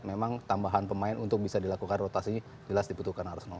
memang tambahan pemain untuk bisa dilakukan rotasinya jelas dibutuhkan arsenal